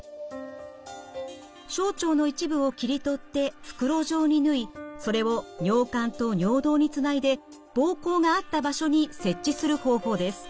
小腸の一部を切り取って袋状に縫いそれを尿管と尿道につないで膀胱があった場所に設置する方法です。